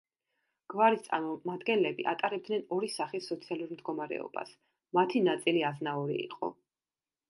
გვარის წარმომადგენლები ატარებდნენ ორი სახის სოციალურ მდგომარეობას, მათი ნაწილი აზნაური იყო.